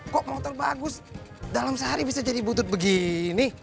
kok motor bagus dalam sehari bisa jadi butut begini